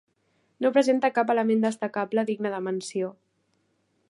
No presenta cap element destacable digne de menció.